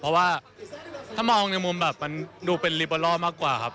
เพราะว่าถ้ามองในมุมแบบมันดูเป็นลิเบอร์ล่อมากกว่าครับ